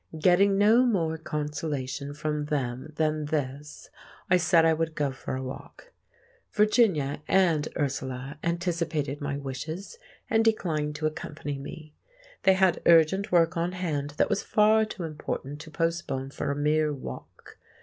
Getting no more consolation from them than this, I said I would go for a walk. Virginia and Ursula anticipated my wishes and declined to accompany me. They had urgent work on hand that was far too important to postpone for a mere walk.